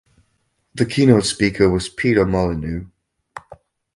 The keynote speaker was Peter Molyneux.